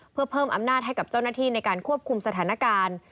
เพื่อเพิ่มอำนาจให้กับเจ้าหน้าที่ในการควบคุมสถานการณ์